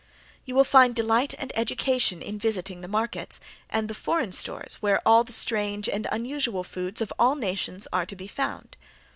You will find delight and education in visiting the markets, and the foreign stores where all the strange and unusual foods of all nations are to be found.